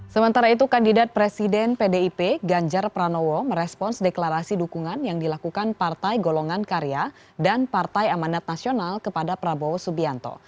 sementara itu kandidat presiden pdip ganjar pranowo merespons deklarasi dukungan yang dilakukan partai golongan karya dan partai amanat nasional kepada prabowo subianto